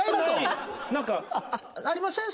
なんかありません？